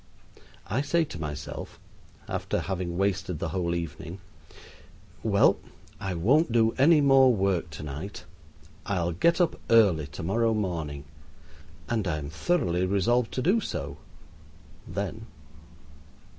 I say to myself, after having wasted the whole evening, "Well, I won't do any more work to night; I'll get up early to morrow morning;" and I am thoroughly resolved to do so then.